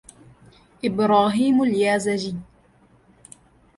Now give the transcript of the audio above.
إبراهيم اليازجي